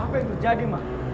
apa yang terjadi ma